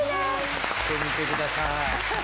着てみてください。